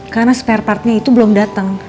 karena spare partnya itu belum datang